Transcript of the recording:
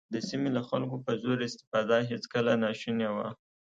د سیمې له خلکو په زور استفاده هېڅکله ناشونې وه.